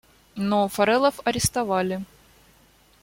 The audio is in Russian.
Но Фаррелов арестовали.